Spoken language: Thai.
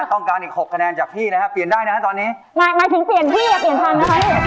ต้องการอีกหกคะแนนจากพี่นะฮะเปลี่ยนได้นะฮะตอนนี้หมายหมายถึงเปลี่ยนที่อย่าเปลี่ยนทันนะคะ